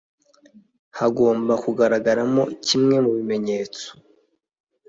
hagomba kugaragaramo kimwe mu bimenyetso